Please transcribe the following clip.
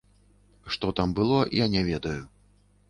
Што там было, я не ведаю.